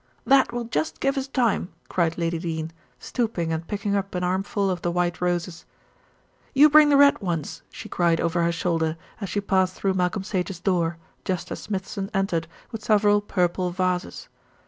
"That will just give us time," cried Lady Dene, stooping and picking up an armful of the white roses. "You bring the red ones," she cried over her shoulder, as she passed through Malcolm Sage's door, just as Smithson entered with several purple vases.